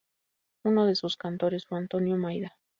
Uno de sus cantores fue Antonio Maida.